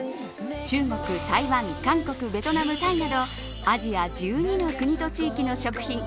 中国、台湾、韓国ベトナム、タイなどアジア１２の国と地域の食品